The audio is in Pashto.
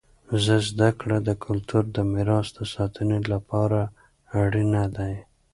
زده کړه د کلتور د میراث د ساتنې لپاره اړینه دی.